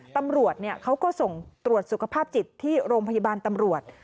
ตำรวจเขาก็ส่งตรวจสุขภาพจิตที่โรงพยาบาลตำรวจ